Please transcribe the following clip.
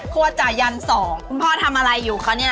ครัวจ่ายัน๒คุณพ่อทำอะไรอยู่คะเนี่ย